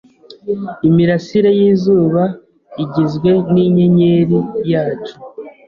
Imirasire y'izuba igizwe n'inyenyeri yacu